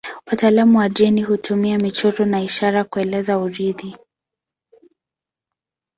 Wataalamu wa jeni hutumia michoro na ishara kueleza urithi.